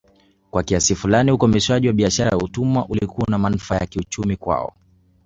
Kwa kiasi fulani ukomeshaji wa biashara ya utumwa ulikuwa unamanufaa ya kiuchumi kwao